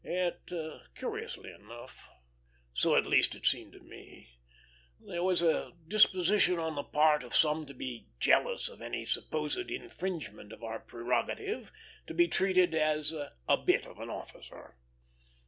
Yet, curiously enough, so at least it seemed to me, there was a disposition on the part of some to be jealous of any supposed infringement of our prerogative to be treated as "a bit of an officer."